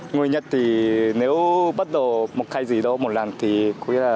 người nhật thì nếu bắt đầu một cái gì đó một lần thì cũng là muốn làm một trăm linh